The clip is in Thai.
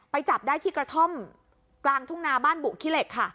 จับได้ที่กระท่อมกลางทุ่งนาบ้านบุขี้เหล็กค่ะ